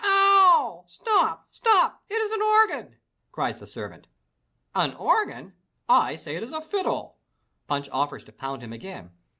"Ow wow! Stop! Stop! It is an organ!" cries the servant. "An organ? ' I say it is a fiddle!" Punch offers to pound him again.